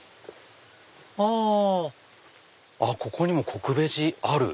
あここにもこくベジある。